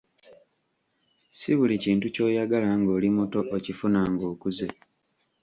Ssi buli kintu ky'oyagala ng'oli muto okifuna ng'okuze.